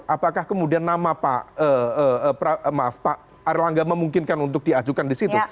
apakah kemudian nama pak erlangga memungkinkan untuk diajukan disitu